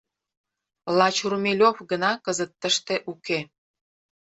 Лач Румелёв гына кызыт тыште уке.